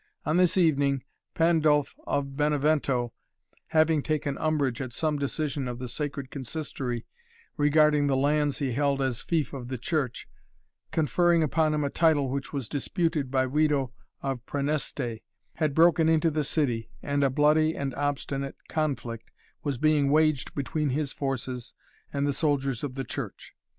On this evening Pandulph of Benevento, having taken umbrage at some decision of the Sacred Consistory regarding the lands he held as fief of the Church, conferring upon him a title which was disputed by Wido of Prænesté, had broken into the city and a bloody and obstinate conflict was being waged between his forces and the soldiers of the Church.